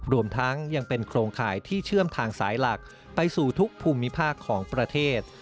รวมทั้งยังเป็นโครงข่ายที่เชื่อมทางสายหลักไปสู่ทุกภูมิภาคของประเทศ